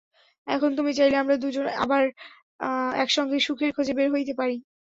এখন তুমি চাইলে আমরা দুজন আবার একসঙ্গে সুখের খোঁজে বের হইতে পারি।